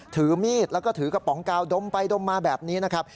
ถือมีดแล้วก็ถือกระป๋องกาวดมไปดมมาแบบนี้นะครับ